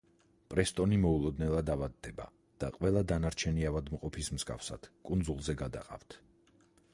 პრესტონი მოულოდნელად ავადდება და ყველა დანარჩენი ავადმყოფის მსგავსად კუნძულზე გადაყავთ.